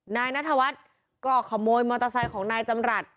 นายนัทวัฒน์ก็ขโมยมอเตอร์ไซค์ของนายจำรัฐ